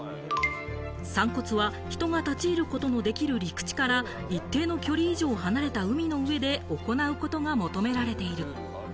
散骨は人が立ち入ることのできる陸地から一定の距離以上離れた海の上で行うことが求められている。